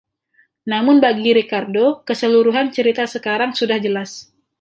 Namun bagi Ricardo, keseluruhan cerita sekarang sudah jelas.